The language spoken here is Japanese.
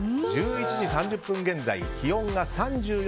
１１時３０分現在気温が３４．８度。